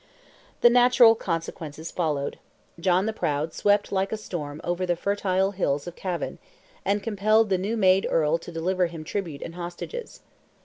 The natural consequences followed; John the Proud swept like a storm over the fertile hills of Cavan, and compelled the new made Earl to deliver him tribute and hostages.